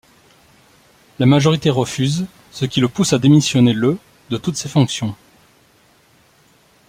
La majorité refuse, ce qui le pousse à démissionner le de toutes ses fonctions.